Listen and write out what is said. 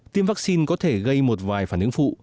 tiêm vaccine có thể gây một vài phản ứng phụ